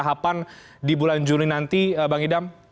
karena jadi terhubung